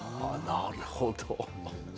なるほど。